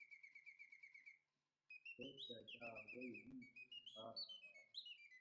سید کاکاۤ اۤ وئی نِن مئ ٹھونگ باۤر باتائی